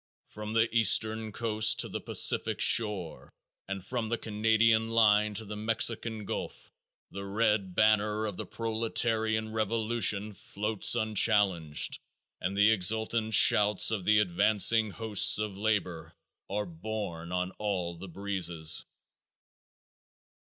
From the Eastern coast to the Pacific shore and from the Canadian line to the Mexican gulf the red banner of the proletarian revolution floats unchallenged and the exultant shouts of the advancing hosts of labor are borne on all the breezes.